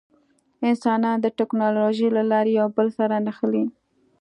انسانان د ټکنالوجۍ له لارې یو بل سره نښلي.